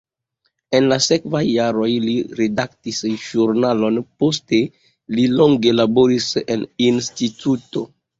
En la sekvaj jaroj li redaktis ĵurnalon, poste li longe laboris en instituto.